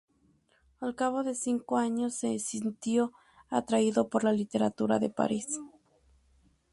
Al cabo de cinco años se sintió atraído por la literatura de París.